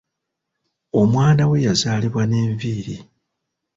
Omwana we yazaalibwa n’enviri.